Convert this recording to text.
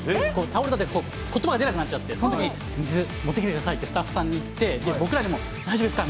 倒れたとき、ことばが出なくなっちゃって、そのとき、持ってきてくださいって、スタッフさんに言って、僕らにも、大丈夫ですか？